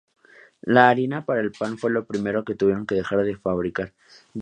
La harina para el pan fue lo primero que tuvieron que dejar de fabricar.